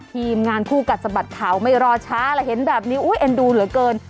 ทีมงานคู่กัดสะบัดข่าวไม่รอช้าแล้วเห็นแบบนี้เอ็นดูเหลือเกิน